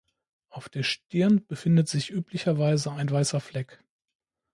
Auf der Stirn befindet sich üblicherweise ein weißer Fleck.